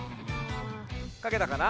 かけたかな？